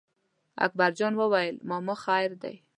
اکبر جان وویل: ماما خیر دی.